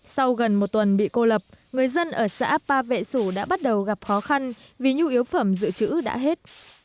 sau gần một tuần bị cô lập người dân ở xã ba vệ sủ đã bắt đầu gặp khó khăn vì nhu yếu phẩm dự trữ đã hết